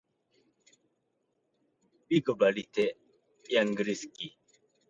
Группа ценит поддержку, оказываемую Центру и этому проекту резолюции нынешними и будущими соавторами.